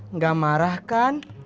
enggak marah kan